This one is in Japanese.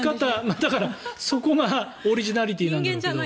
だからそこがオリジナリティーなんだけど。